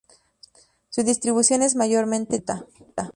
Su distribución es mayormente disjunta.